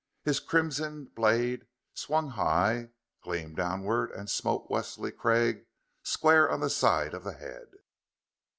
His crimsoned blade swung high, gleamed downward, and smote Wesley Craig square on the side of the head.